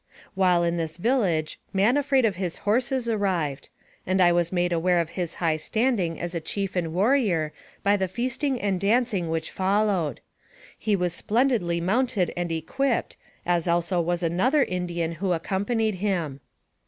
"While in this village " Man Afraid of His Horses " arrived, and I was made aware of his high standing as a chief and warrior by the feasting and dancing which followed. He was splendidly mounted and equipped, as also was another Indian who accompanied him.